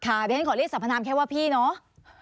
เพราะฉะนั้นขอเรียกสัมพนามแค่ว่าพี่เนาะ